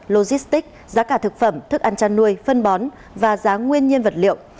logistic giá cả thực phẩm thức ăn chăn nuôi phân bón và giá nguyên nhiên vật liệu